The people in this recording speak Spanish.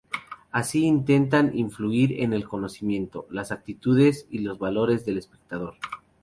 Así intentan influir en el conocimiento, las actitudes y los valores del espectador..